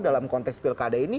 dalam konteks pilkada ini